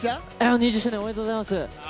２０周年おめでとうございます。